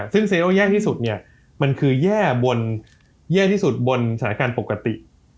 ซึ่งซีเนอร์โอแย่ที่สุดมันคือแย่ที่สุดบนสถานการณ์ปกติ